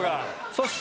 そして。